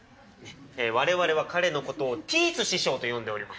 我々は彼のことをティース師匠と呼んでおります。